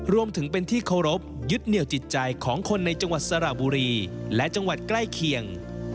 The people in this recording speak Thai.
รวมถึงเป็นที่เคารพยึดเหนียวจิตใจของคนในจังหวัดสระบุรีและจังหวัดใกล้เคียง